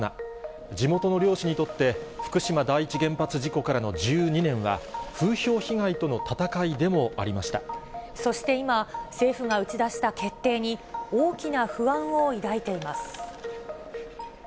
地元の漁師にとって、福島第一原発事故からの１２年は、そして今、政府が打ち出した決定に、大きな不安を抱いています。